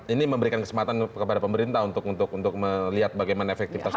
ini memberikan kesempatan kepada pemerintah untuk melihat bagaimana efektivitasnya